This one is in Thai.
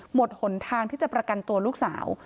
หนทางที่จะประกันตัวลูกสาว